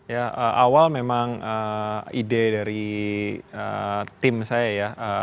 ya awal memang ide dari tim saya ya